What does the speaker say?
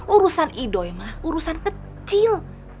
urusan idoi mah urusan kecil